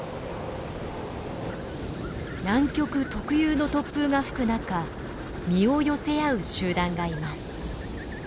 南極特有の突風が吹く中身を寄せ合う集団がいます。